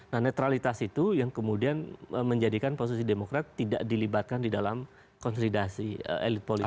nah netralitas itu yang kemudian menjadikan posisi demokrat tidak dilibatkan di dalam konsolidasi elit politik